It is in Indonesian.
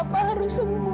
apa yang kamu keluar hotel